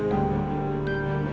jangan lupa untuk mencoba